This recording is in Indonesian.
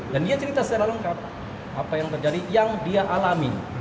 dan dia cerita secara lengkap apa yang terjadi yang dia alami